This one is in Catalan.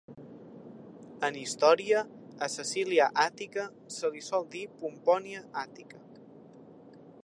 En història, a Cecília Àtica se li sol dir Pompònia Àtica.